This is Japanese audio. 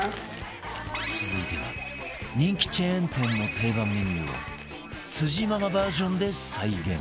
続いては人気チェーン店の定番メニューを辻ママバージョンで再現